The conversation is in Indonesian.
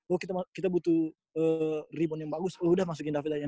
oh kita butuh remote yang bagus udah masukin david aja